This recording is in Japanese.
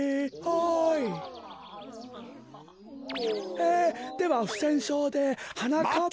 えではふせんしょうではなかっぱ。